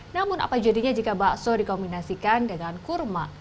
namun apa jadinya jika bakso dikombinasikan dengan kurma